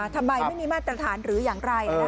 ทำไมไม่มีมาตรฐานหรืออย่างไร